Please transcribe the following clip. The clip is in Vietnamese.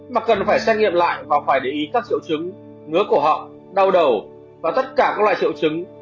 mà cần phải xét nghiệm lại và phải để ý các triệu chứng ngứa của họ đau đầu và tất cả các loại triệu chứng